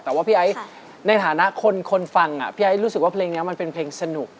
แต่ว่าพี่ไอ้ในฐานะคนฟังพี่ไอ้รู้สึกว่าเพลงนี้มันเป็นเพลงสนุก